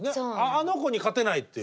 あの娘に勝てないっていう。